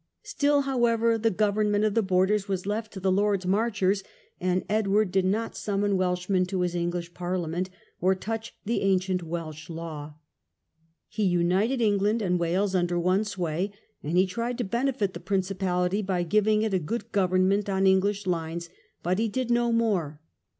Still, however, the government of the borders was left to the Lords Marchers, and Edward did not The statute summon Welshmen to his English Parliament, °^ Wales, or touch the ancient Welsh law. He united England and Wales under one sway, and he tried to benefit the principality by giving it a good government on English lines, but he did no more.